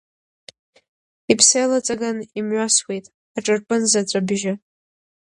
Иԥсеилаҵаган имҩасуеит, аҿарпын заҵә абжьы!